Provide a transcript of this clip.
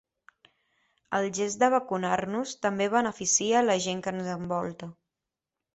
El gest de vacunar-nos també beneficia la gent que ens envolta.